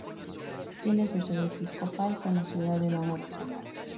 Tiene su sede episcopal en la ciudad de Nogales, Sonora.